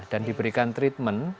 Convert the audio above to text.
dan diberikan treatment